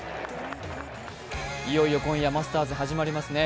いよいよ今夜、マスターズ始まりますね。